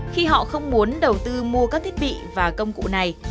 khi họ không muốn đầu tư mua các thiết bị và công cụ này